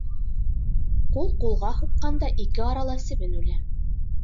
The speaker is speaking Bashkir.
Ҡул ҡулға һуҡҡанда, ике арала себен үлә.